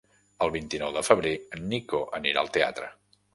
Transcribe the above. El vint-i-nou de febrer en Nico anirà al teatre.